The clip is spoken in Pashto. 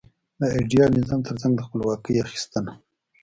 د ایډیال نظام ترڅنګ د خپلواکۍ اخیستنه.